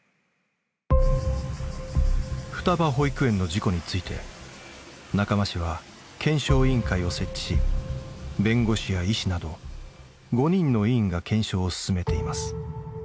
双葉保育園の事故について中間市は検証委員会を設置し弁護士や医師など５人の委員が検証を進めています。